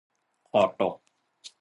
คอตก